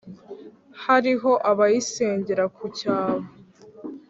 hariho abayisengera ku cyavu,